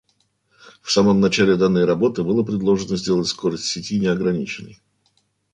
В самом начале данной работы было предложено сделать скорость сети неограниченной